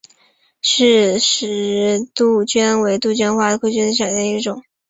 饰石杜鹃为杜鹃花科杜鹃属下的一个种。